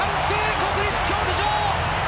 国立競技場！